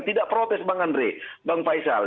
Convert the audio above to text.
tidak protes bang andre bang faisal